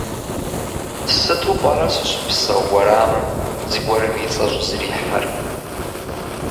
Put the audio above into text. Сыту пӏэрэ сыщыпсэу уэрамым зыгуэрым и цӏэ щӏызэрихьэр?